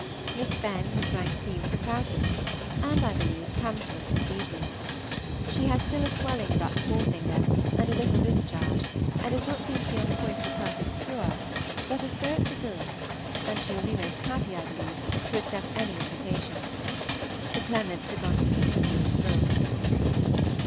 Miss Benn has drank tea with the Prowtings, and, I believe, comes to us this evening. She has still a swelling about the forefinger and a little discharge, and does not seem to be on the point of a perfect cure, but her spirits are good, and she will be most happy, I believe, to accept any invitation. The Clements are gone to Petersfield to look.